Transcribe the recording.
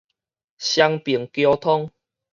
雙爿溝通